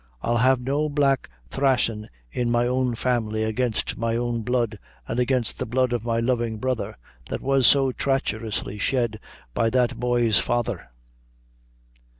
I'll have no black thraisin in my own family against my own blood, an' against the blood of my loving brother, that was so traicherously shed by that boy's father."